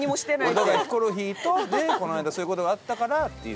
俺はだからヒコロヒーとねこの間そういう事があったからっていう。